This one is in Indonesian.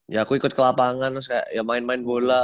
ya aku ikut ke lapangan kayak main main bola